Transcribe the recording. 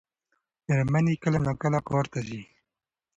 مېرمن یې کله ناکله کار ته ځي.